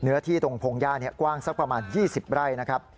เนื้อที่ตรงพงศ์ย่านี่กว้างสักประมาณ๒๐ไร่นะครับ